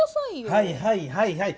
はいはいはいはい。